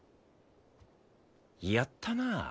やったな。